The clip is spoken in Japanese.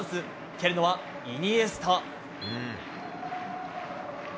蹴るのはイニエスタ。